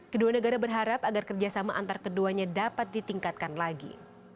kedua negara berharap agar kerjasama antar keduanya dapat ditingkatkan lagi